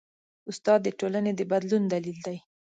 استاد د ټولنې د بدلون دلیل دی.